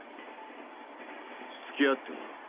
つき合ってもらおう。